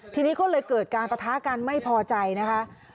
ทีนี้ก็เลยเกิดการประทะกันไม่พอใจนะคะ